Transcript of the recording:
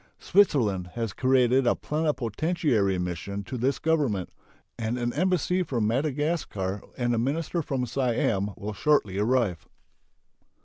Switzerland has created a plenipotentiary mission to this Government, and an embassy from Madagascar and a minister from Siam will shortly arrive.